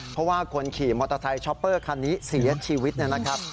เพราะว่าคนขี่มอเตอร์ไซค์ช็อปเปอร์คันนี้เสียชีวิตนะครับ